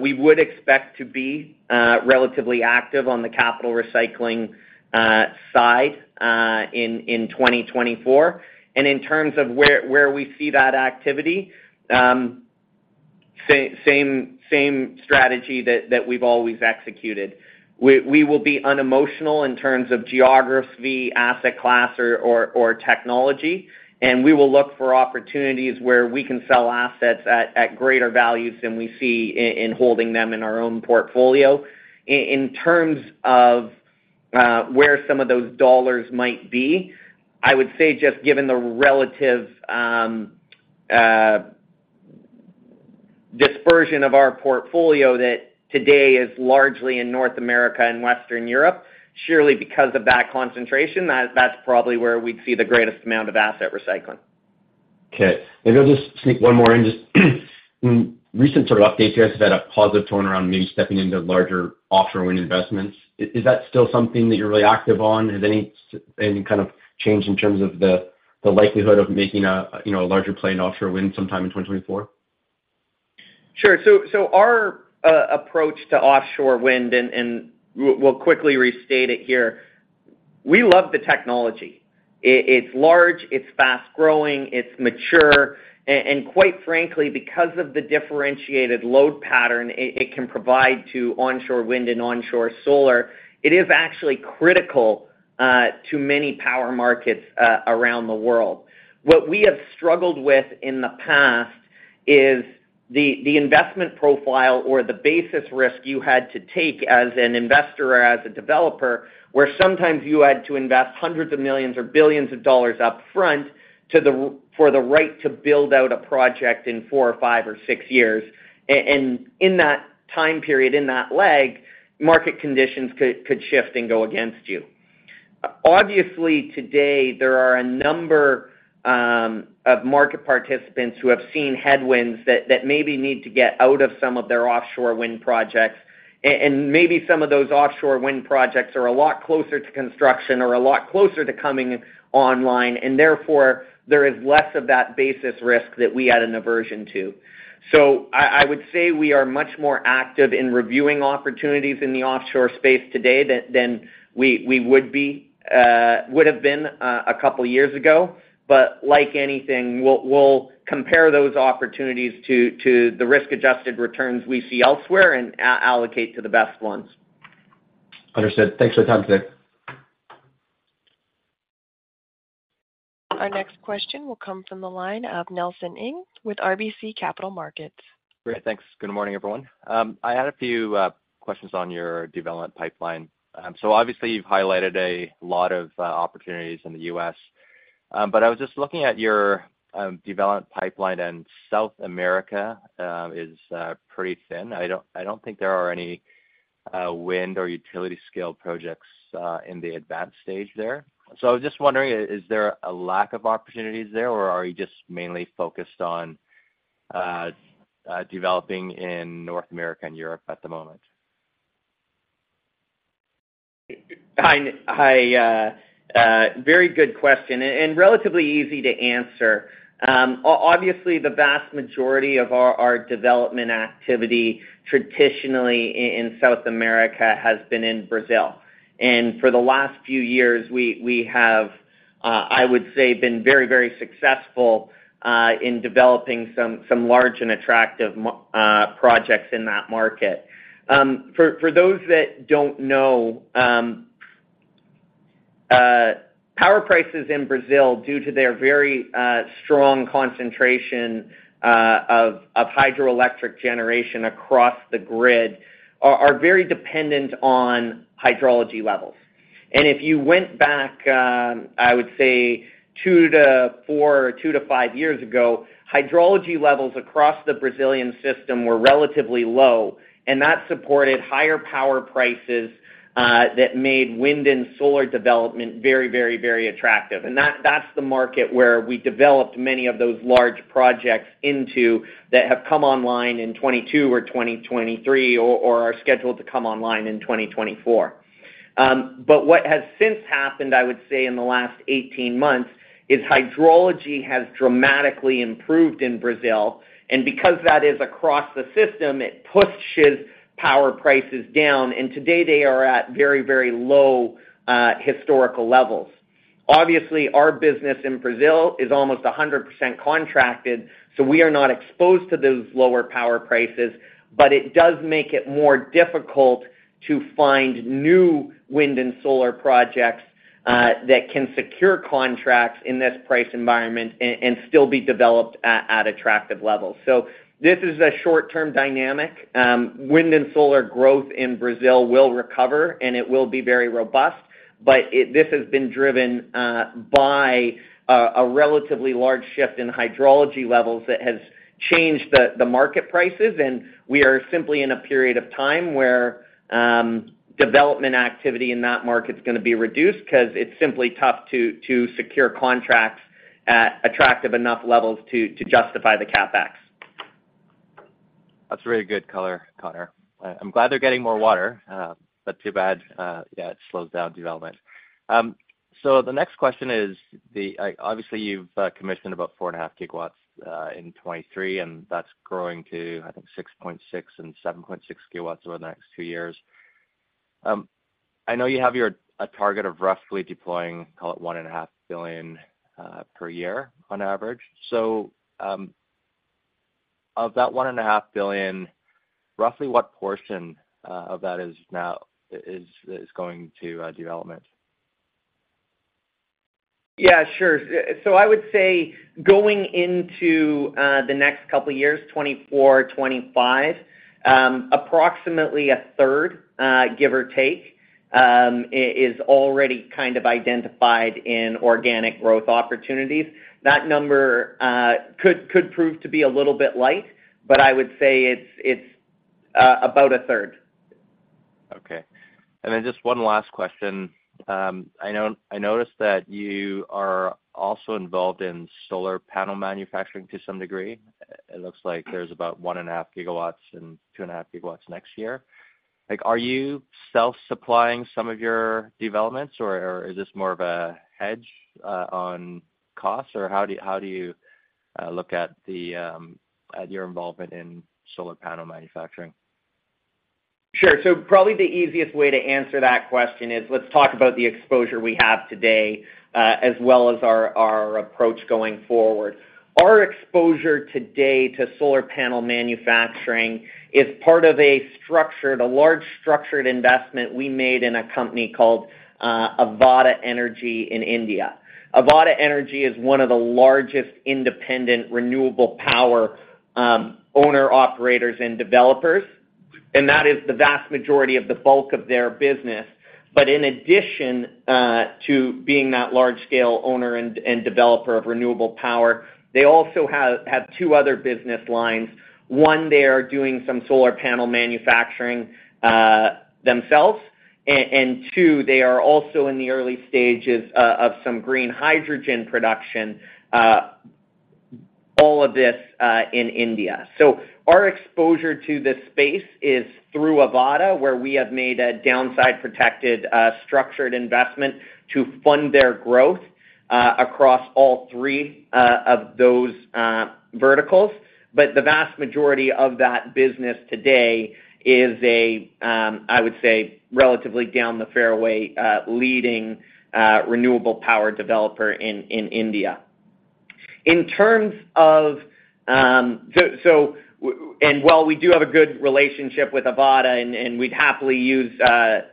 we would expect to be relatively active on the capital recycling side in 2024. And in terms of where we see that activity, same strategy that we've always executed. We will be unemotional in terms of geography, asset class or technology, and we will look for opportunities where we can sell assets at greater values than we see in holding them in our own portfolio. In terms of where some of those dollars might be, I would say just given the relative version of our portfolio that today is largely in North America and Western Europe, surely because of that concentration, that's probably where we'd see the greatest amount of asset recycling. Okay. Maybe I'll just sneak one more in. Just in recent sort of updates, you guys have had a positive tone around maybe stepping into larger offshore wind investments. Is that still something that you're really active on? Has any any kind of change in terms of the, the likelihood of making a, you know, a larger play in offshore wind sometime in 2024? Sure. So our approach to offshore wind, and we'll quickly restate it here: We love the technology. It's large, it's fast-growing, it's mature, and quite frankly, because of the differentiated load pattern it can provide to onshore wind and onshore solar, it is actually critical to many power markets around the world. What we have struggled with in the past is the investment profile or the basis risk you had to take as an investor or as a developer, where sometimes you had to invest $hundreds of millions or billions upfront for the right to build out a project in 4 or 5 or 6 years. And in that time period, in that lag, market conditions could shift and go against you. Obviously, today, there are a number of market participants who have seen headwinds that maybe need to get out of some of their offshore wind projects. And maybe some of those offshore wind projects are a lot closer to construction or a lot closer to coming online, and therefore, there is less of that basis risk that we had an aversion to. So I would say we are much more active in reviewing opportunities in the offshore space today than we would have been a couple of years ago. But like anything, we'll compare those opportunities to the risk-adjusted returns we see elsewhere and allocate to the best ones. Understood. Thanks for the time today. Our next question will come from the line of Nelson Ng with RBC Capital Markets. Great. Thanks. Good morning, everyone. I had a few questions on your development pipeline. So obviously, you've highlighted a lot of opportunities in the U.S. But I was just looking at your development pipeline, and South America is pretty thin. I don't think there are any wind or utility-scale projects in the advanced stage there. So I was just wondering, is there a lack of opportunities there, or are you just mainly focused on developing in North America and Europe at the moment? It's a very good question, and relatively easy to answer. Obviously, the vast majority of our development activity, traditionally in South America, has been in Brazil. For the last few years, we have, I would say, been very, very successful in developing some large and attractive projects in that market. For those that don't know, power prices in Brazil, due to their very strong concentration of hydroelectric generation across the grid, are very dependent on hydrology levels. If you went back, I would say 2-4 or 2-5 years ago, hydrology levels across the Brazilian system were relatively low, and that supported higher power prices that made wind and solar development very, very, very attractive. That's the market where we developed many of those large projects into, that have come online in 2022 or 2023 or are scheduled to come online in 2024. But what has since happened, I would say, in the last 18 months, is hydrology has dramatically improved in Brazil, and because that is across the system, it pushes power prices down, and today they are at very, very low, historical levels. Obviously, our business in Brazil is almost 100% contracted, so we are not exposed to those lower power prices, but it does make it more difficult to find new wind and solar projects, that can secure contracts in this price environment and still be developed at, attractive levels. So this is a short-term dynamic. Wind and solar growth in Brazil will recover, and it will be very robust. But this has been driven by a relatively large shift in hydrology levels that has changed the market prices, and we are simply in a period of time where development activity in that market is gonna be reduced because it's simply tough to secure contracts at attractive enough levels to justify the CapEx. That's a really good color, Connor. I'm glad they're getting more water, but too bad, yeah, it slows down development. So the next question is obviously, you've commissioned about 4.5 gigawatts in 2023, and that's growing to, I think, 6.6 and 7.6 gigawatts over the next two years. I know you have a target of roughly deploying, call it, $1.5 billion per year on average. So, of that $1.5 billion, roughly what portion of that is now is going to development? Yeah, sure. So I would say going into the next couple of years, 2024, 2025, approximately a third, give or take, it is already kind of identified in organic growth opportunities. That number could prove to be a little bit light, but I would say it's about a third. Okay. Then just one last question. I noticed that you are also involved in solar panel manufacturing to some degree. It looks like there's about 1.5 gigawatts and 2.5 gigawatts next year. Like, are you self-supplying some of your developments, or, or is this more of a hedge on costs? Or how do you look at your involvement in solar panel manufacturing? Sure. So probably the easiest way to answer that question is, let's talk about the exposure we have today, as well as our approach going forward. Our exposure today to solar panel manufacturing is part of a structured, large structured investment we made in a company called Avaada Group in India. Avaada Group is one of the largest independent renewable power owner, operators, and developers, and that is the vast majority of the bulk of their business. But in addition to being that large-scale owner and developer of renewable power, they also have two other business lines. One, they are doing some solar panel manufacturing themselves. And two, they are also in the early stages of some green hydrogen production, all of this in India. So our exposure to this space is through Avaada, where we have made a downside-protected, structured investment to fund their growth, across all three of those verticals. But the vast majority of that business today is a, I would say, relatively down the fairway, leading renewable power developer in India. So, and while we do have a good relationship with Avaada, and we'd happily use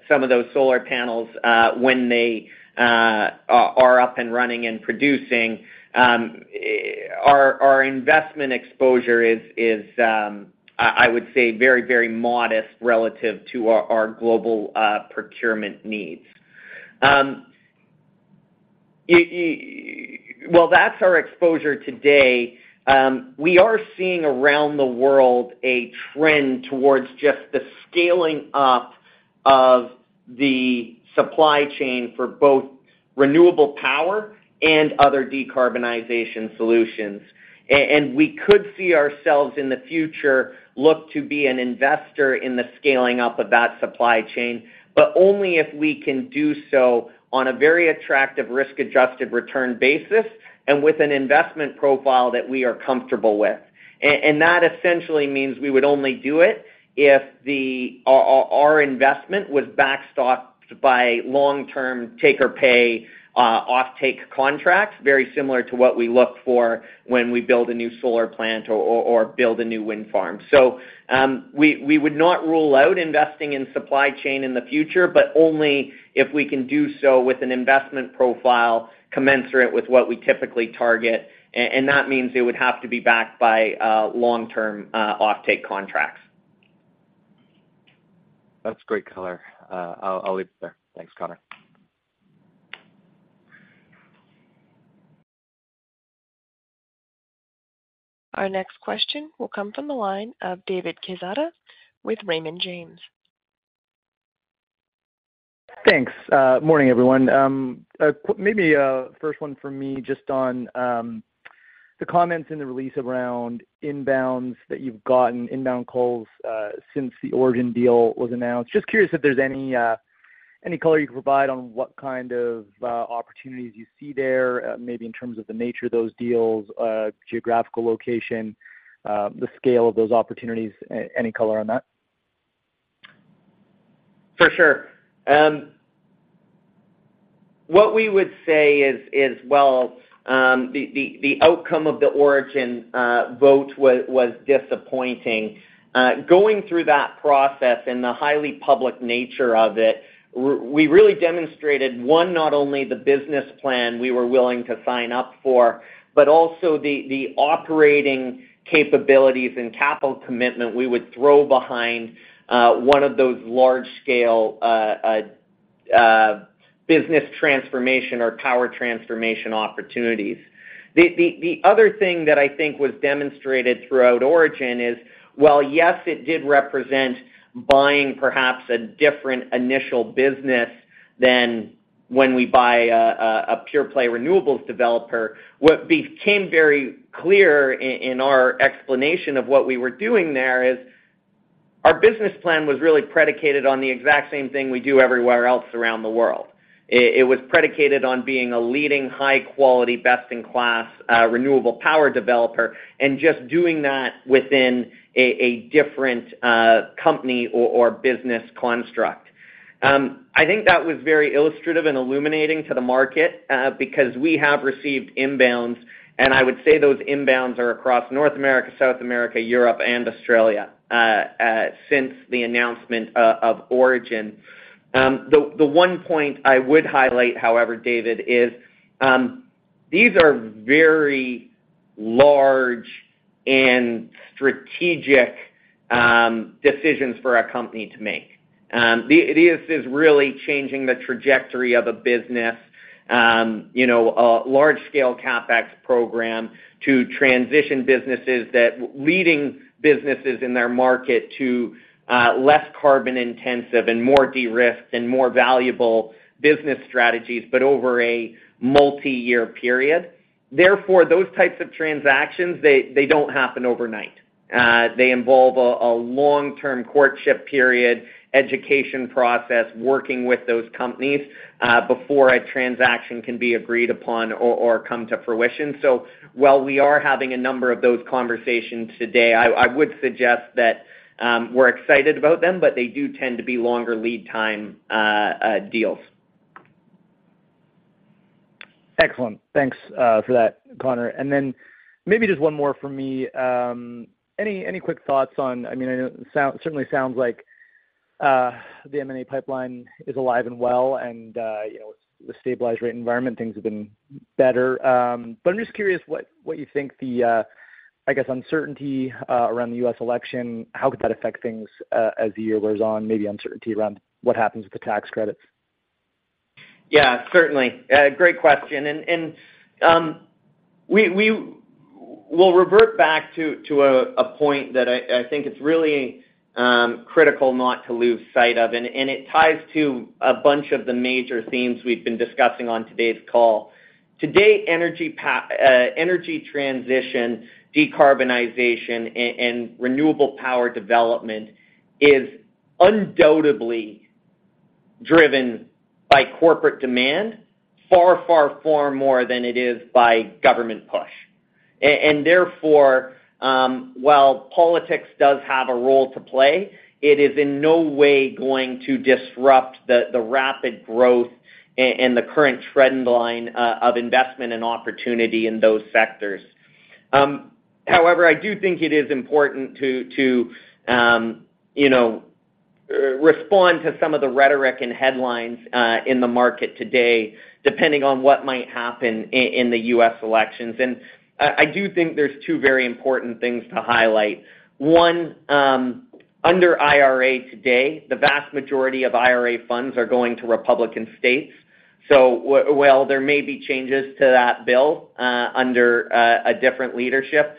some of those solar panels when they are up and running and producing, our investment exposure is, I would say, very, very modest relative to our global procurement needs. While that's our exposure today, we are seeing around the world a trend towards just the scaling up of the supply chain for both renewable power and other decarbonization solutions. And we could see ourselves, in the future, look to be an investor in the scaling up of that supply chain, but only if we can do so on a very attractive risk-adjusted return basis and with an investment profile that we are comfortable with. And that essentially means we would only do it if our investment was backstopped by long-term take-or-pay, offtake contracts, very similar to what we look for when we build a new solar plant or build a new wind farm. So, we would not rule out investing in supply chain in the future, but only if we can do so with an investment profile commensurate with what we typically target. And that means it would have to be backed by long-term offtake contracts. That's great color. I'll leave it there. Thanks, Connor. Our next question will come from the line of David Quezada with Raymond James. Thanks. Morning, everyone. Maybe first one for me, just on the comments in the release around inbounds that you've gotten, inbound calls, since the Origin deal was announced. Just curious if there's any any color you can provide on what kind of opportunities you see there, maybe in terms of the nature of those deals, geographical location, the scale of those opportunities. Any color on that? For sure. What we would say is, while the outcome of the Origin vote was disappointing, going through that process and the highly public nature of it, we really demonstrated, one, not only the business plan we were willing to sign up for, but also the operating capabilities and capital commitment we would throw behind one of those large-scale business transformation or power transformation opportunities. The other thing that I think was demonstrated throughout Origin is, while, yes, it did represent buying perhaps a different initial business than when we buy a pure-play renewables developer, what became very clear in our explanation of what we were doing there is, our business plan was really predicated on the exact same thing we do everywhere else around the world. It was predicated on being a leading, high-quality, best-in-class, renewable power developer and just doing that within a different company or business construct. I think that was very illustrative and illuminating to the market, because we have received inbounds, and I would say those inbounds are across North America, South America, Europe, and Australia, since the announcement of Origin. The one point I would highlight, however, David, is... These are very large and strategic decisions for our company to make. It is really changing the trajectory of a business, you know, a large-scale CapEx program to transition businesses that leading businesses in their market to less carbon-intensive and more de-risked and more valuable business strategies, but over a multi-year period. Therefore, those types of transactions, they don't happen overnight. They involve a long-term courtship period, education process, working with those companies, before a transaction can be agreed upon or come to fruition. So while we are having a number of those conversations today, I would suggest that we're excited about them, but they do tend to be longer lead time deals. Excellent. Thanks, for that, Connor. Then maybe just one more from me. Any quick thoughts on—I mean, I know it certainly sounds like, the M&A pipeline is alive and well, and, you know, with the stabilized rate environment, things have been better. But I'm just curious what you think the, I guess, uncertainty, around the U.S. election, how could that affect things, as the year goes on, maybe uncertainty around what happens with the tax credits? Yeah, certainly. Great question. We'll revert back to a point that I think it's really critical not to lose sight of, and it ties to a bunch of the major themes we've been discussing on today's call. To date, energy transition, decarbonization, and renewable power development is undoubtedly driven by corporate demand, far, far, far more than it is by government push. And therefore, while politics does have a role to play, it is in no way going to disrupt the rapid growth and the current trend line of investment and opportunity in those sectors. However, I do think it is important to you know respond to some of the rhetoric and headlines in the market today, depending on what might happen in the U.S. elections. And I do think there's two very important things to highlight. One, under IRA today, the vast majority of IRA funds are going to Republican states. So while there may be changes to that bill under a different leadership,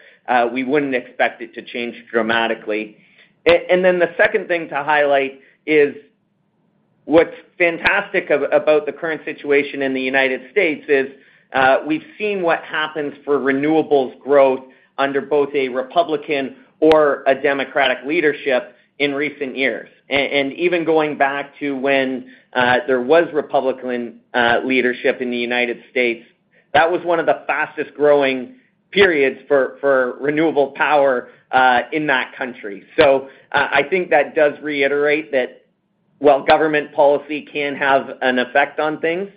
we wouldn't expect it to change dramatically. And then the second thing to highlight is, what's fantastic about the current situation in the United States is, we've seen what happens for renewables growth under both a Republican or a Democratic leadership in recent years. And even going back to when there was Republican leadership in the United States, that was one of the fastest-growing periods for renewable power in that country. So, I think that does reiterate that while government policy can have an effect on things,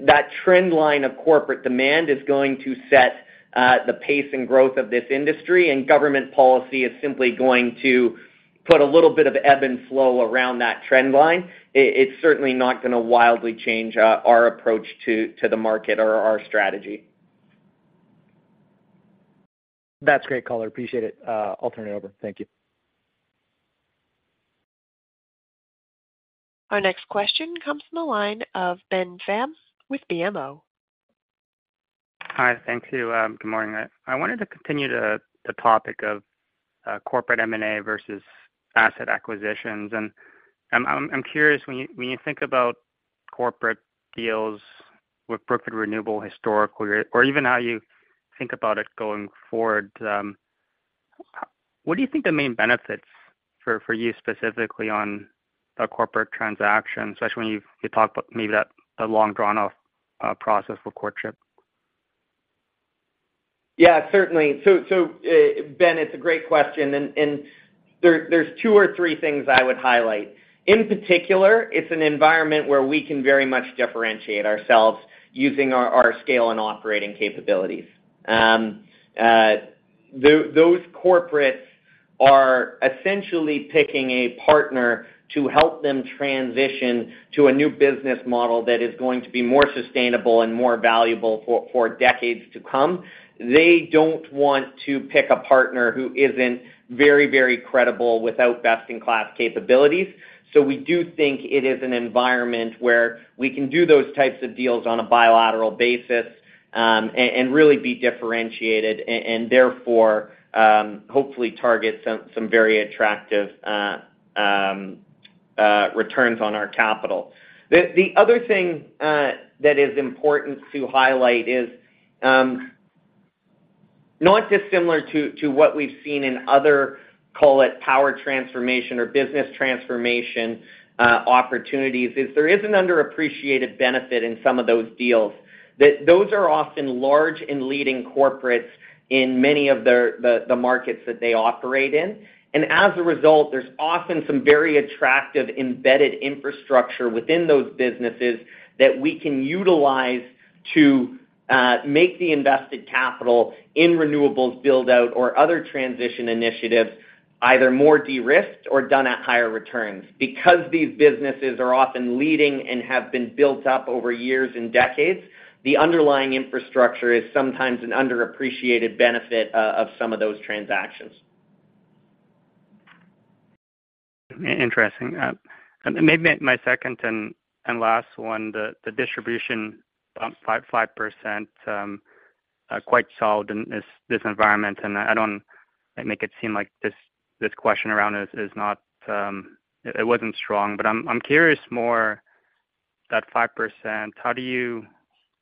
that trend line of corporate demand is going to set the pace and growth of this industry, and government policy is simply going to put a little bit of ebb and flow around that trend line. It's certainly not gonna wildly change our approach to the market or our strategy. That's great, Connor. Appreciate it. I'll turn it over. Thank you. Our next question comes from the line of Ben Pham with BMO. Hi, thank you. Good morning. I wanted to continue the topic of corporate M&A versus asset acquisitions. And I'm curious, when you think about corporate deals with Brookfield Renewable historically, or even how you think about it going forward, what do you think the main benefits for you, specifically on a corporate transaction, especially when you talk about maybe the long drawn-out process for courtship? Yeah, certainly. So, Ben, it's a great question, and there, there's two or three things I would highlight. In particular, it's an environment where we can very much differentiate ourselves using our scale and operating capabilities. Those corporates are essentially picking a partner to help them transition to a new business model that is going to be more sustainable and more valuable for decades to come. They don't want to pick a partner who isn't very credible without best-in-class capabilities. So we do think it is an environment where we can do those types of deals on a bilateral basis, and really be differentiated and therefore, hopefully target some very attractive returns on our capital. The other thing that is important to highlight is not dissimilar to what we've seen in other, call it power transformation or business transformation opportunities, is there is an underappreciated benefit in some of those deals. That those are often large and leading corporates in many of their markets that they operate in, and as a result, there's often some very attractive embedded infrastructure within those businesses that we can utilize to make the invested capital in renewables build-out or other transition initiatives either more de-risked or done at higher returns. Because these businesses are often leading and have been built up over years and decades, the underlying infrastructure is sometimes an underappreciated benefit of some of those transactions. Interesting. And maybe my second and last one, the distribution up 5%, are quite solid in this environment, and I don't make it seem like this question around it is not—it wasn't strong, but I'm curious more that 5%, how do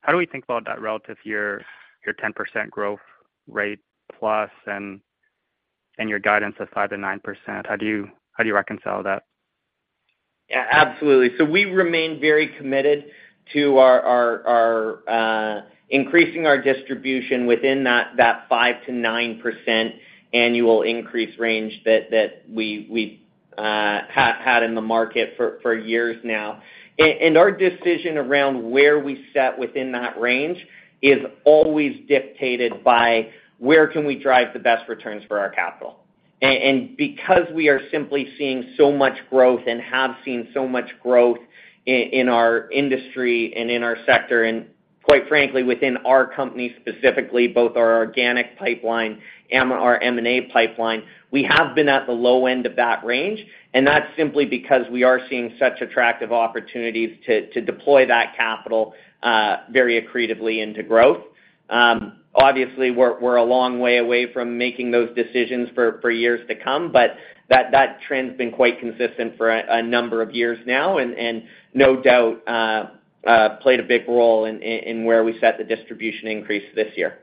you—how do we think about that relative to your 10% growth rate plus, and your guidance of 5%-9%? How do you—How do you reconcile that? Yeah, absolutely. So we remain very committed to our increasing our distribution within that 5%-9% annual increase range that we have had in the market for years now. And our decision around where we set within that range is always dictated by where we can drive the best returns for our capital. And because we are simply seeing so much growth and have seen so much growth in our industry and in our sector, and quite frankly, within our company, specifically, both our organic pipeline and our M&A pipeline, we have been at the low end of that range, and that's simply because we are seeing such attractive opportunities to deploy that capital very accretively into growth. Obviously, we're a long way away from making those decisions for years to come, but that trend's been quite consistent for a number of years now, and no doubt played a big role in where we set the distribution increase this year.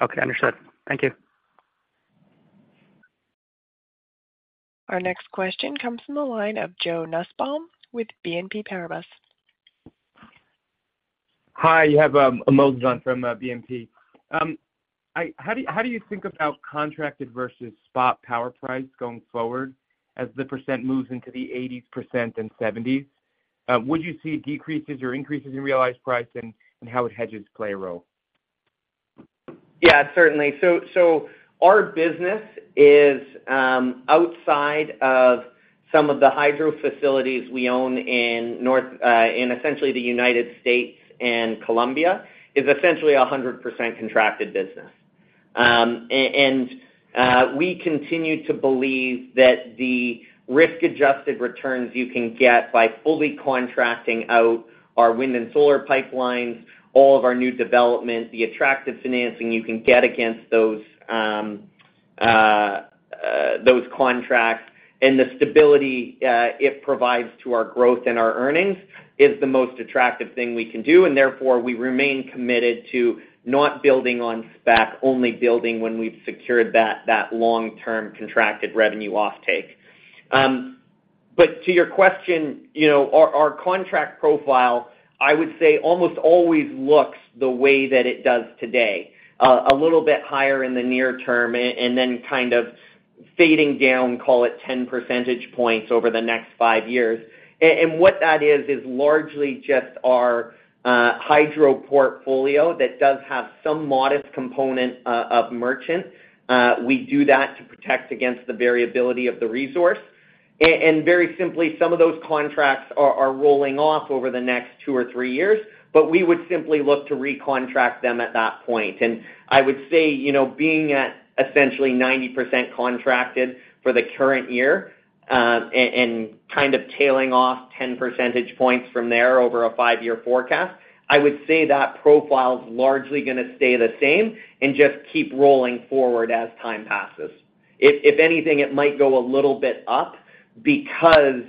Okay, understood. Thank you. Our next question comes from the line of Joe Nussbaum with BNP Paribas. Hi, you have Moses on from BNP. How do you, how do you think about contracted versus spot power price going forward as the percent moves into the 80s% and 70s? Would you see decreases or increases in realized price and, and how it hedges play a role? Yeah, certainly. So, our business is, outside of some of the hydro facilities we own in North America, essentially the United States and Colombia, essentially 100% contracted business. And, we continue to believe that the risk-adjusted returns you can get by fully contracting out our wind and solar pipelines, all of our new development, the attractive financing you can get against those, those contracts and the stability, it provides to our growth and our earnings, is the most attractive thing we can do, and therefore, we remain committed to not building on spec, only building when we've secured that, that long-term contracted revenue offtake. But to your question, you know, our contract profile, I would say, almost always looks the way that it does today. A little bit higher in the near term and then kind of fading down, call it 10 percentage points over the next 5 years. And what that is, is largely just our hydro portfolio that does have some modest component of merchant. We do that to protect against the variability of the resource. And very simply, some of those contracts are rolling off over the next 2 or 3 years, but we would simply look to recontract them at that point. And I would say, you know, being at essentially 90% contracted for the current year, and kind of tailing off 10 percentage points from there over a 5-year forecast, I would say that profile is largely gonna stay the same and just keep rolling forward as time passes. If anything, it might go a little bit up because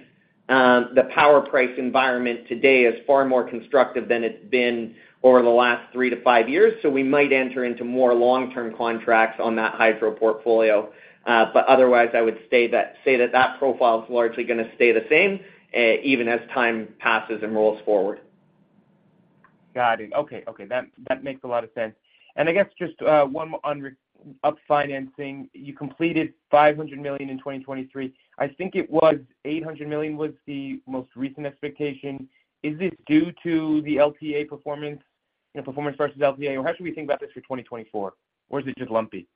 the power price environment today is far more constructive than it's been over the last three to five years, so we might enter into more long-term contracts on that hydro portfolio. But otherwise, I would say that that profile is largely gonna stay the same, even as time passes and rolls forward. Got it. Okay, okay. That, that makes a lot of sense. And I guess just one more on up-financing. You completed $500 million in 2023. I think it was $800 million was the most recent expectation. Is this due to the LTA performance, you know, performance versus LTA, or how should we think about this for 2024? Or is it just lumpy?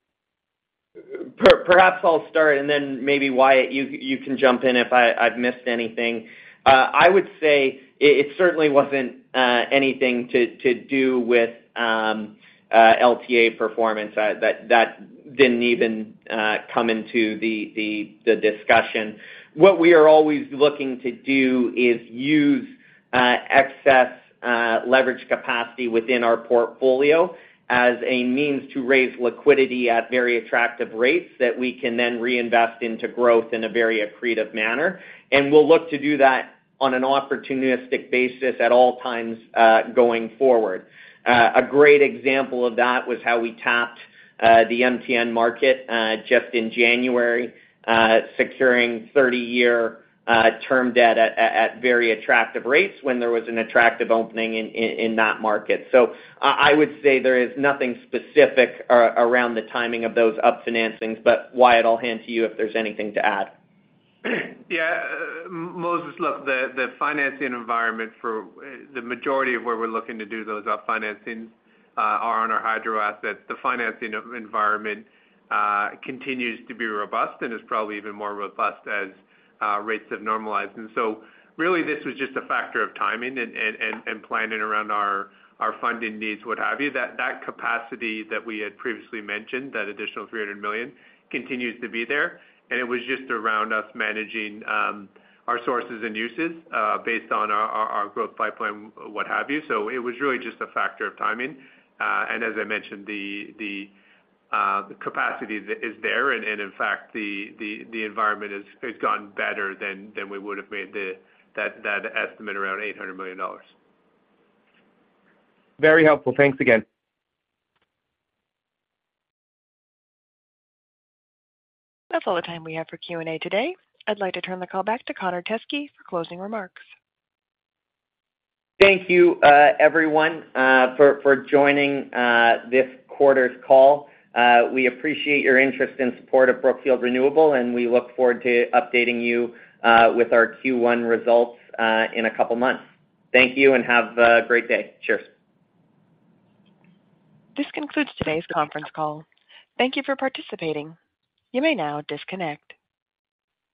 Perhaps I'll start, and then maybe, Wyatt, you can jump in if I've missed anything. I would say it certainly wasn't anything to do with LTA performance. That didn't even come into the discussion. What we are always looking to do is use excess leverage capacity within our portfolio as a means to raise liquidity at very attractive rates that we can then reinvest into growth in a very accretive manner. And we'll look to do that on an opportunistic basis at all times, going forward. A great example of that was how we tapped the MTN market just in January, securing 30-year term debt at very attractive rates when there was an attractive opening in that market. So I would say there is nothing specific around the timing of those up-financings, but Wyatt, I'll hand to you if there's anything to add. Yeah, Moses, look, the financing environment for the majority of where we're looking to do those up-financings are on our hydro assets. The financing environment continues to be robust and is probably even more robust as rates have normalized. And so really, this was just a factor of timing and planning around our funding needs, what have you. That capacity that we had previously mentioned, that additional $300 million, continues to be there, and it was just around us managing our sources and uses based on our growth pipeline, what have you. So it was really just a factor of timing. And as I mentioned, the capacity is there, and in fact, the environment has gotten better than we would have made that estimate around $800 million. Very helpful. Thanks again. That's all the time we have for Q&A today. I'd like to turn the call back to Connor Teskey for closing remarks. Thank you, everyone, for joining this quarter's call. We appreciate your interest and support of Brookfield Renewable, and we look forward to updating you with our Q1 results in a couple of months. Thank you, and have a great day. Cheers! This concludes today's conference call. Thank you for participating. You may now disconnect.